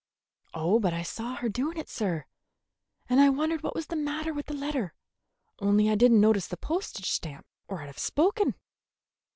"Oh, but I saw her doing it, sir, and I wondered what was the matter with the letter; only I did n't notice the postage stamp, or I'd have spoken."